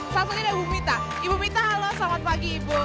salah satunya ada ibu mita ibu mita halo selamat pagi ibu